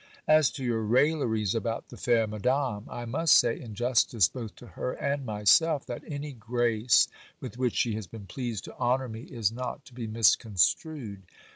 'As to your railleries about the fair Madame, I must say, in justice both to her and myself, that any grace with which she has been pleased to honour me is not to be misconstrued.